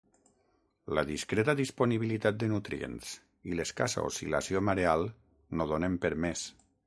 La discreta disponibilitat de nutrients i l’escassa oscil·lació mareal no donen per més.